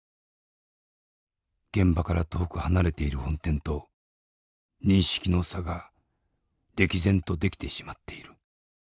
「現場から遠く離れている本店と認識の差が歴然とできてしまっている」。